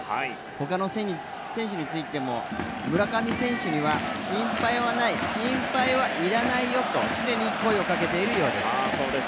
他の選手についても村上選手には、心配はない心配いらないよと常に声をかけているようです。